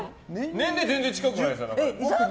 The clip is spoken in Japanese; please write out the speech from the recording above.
年齢、全然近くないです。